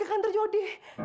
jadi ke kantor jody